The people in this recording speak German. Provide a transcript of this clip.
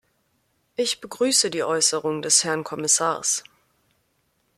Ich begrüße die Äußerung des Herrn Kommissars.